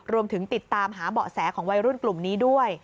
รวมถึงติดตามหาเบาะแสของวัยรุ่นกลุ่มนี้ด้วย